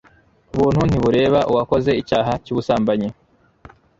buntu ntibureba uwakoze icyaha cy'ubusambanyi